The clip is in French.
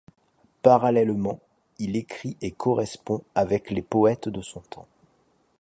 Parallèlement, il écrit et correspond avec les poètes de son temps.